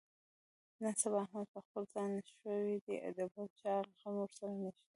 نن سبا احمد په خپل ځان شوی دی، د بل چا غم ورسره نشته.